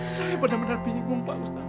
saya benar benar bingung pak ustadz